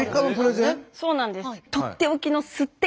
そうなんです。